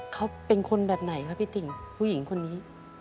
เขาเป็นคนแบบไหนครับพี่ติ่งผู้หญิงคนนี้